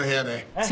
はい。